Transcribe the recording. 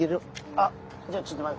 あっじゃあちょっと。